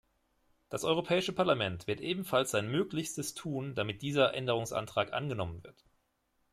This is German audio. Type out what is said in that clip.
Das Europäische Parlament wird ebenfalls sein Möglichstes tun, damit dieser Änderungsantrag angenommen wird.